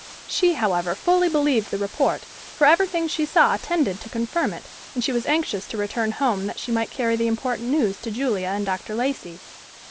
She, however, fully believed the report, for everything she saw tended to confirm it, and she was anxious to return home that she might carry the important news to Julia and Dr. Lacey.